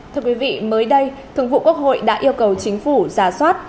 thưa quý vị mới đây thường vụ quốc hội đã yêu cầu chính phủ giả soát